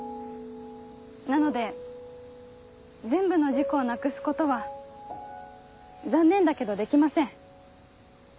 なので全部の事故をなくすことは残念だけどできません。